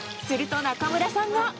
すると中村さんが。